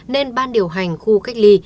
nên ban điều hành khu cách ly